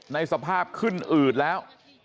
ในสภาพขึ้นอืดแล้ว